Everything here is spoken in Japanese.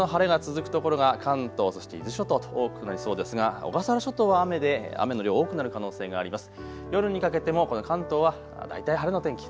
日中もこの晴れが続く所が関東、そして伊豆諸島と多くなりそうですが小笠原諸島は雨の量多くなる可能性があります。